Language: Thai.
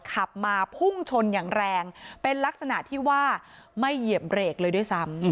ขับมาพุ่งชนอย่างแรงเป็นลักษณะที่ว่าไม่เหยียบเบรกเลยด้วยซ้ำ